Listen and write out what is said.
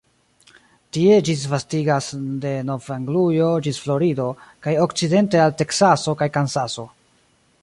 Tie ĝi disvastigas de Nov-Anglujo ĝis Florido kaj okcidente al Teksaso kaj Kansaso.